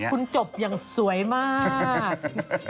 คุณจบอย่างสวยมาก